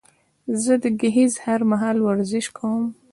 زه د ګهيځ هر مهال ورزش کوم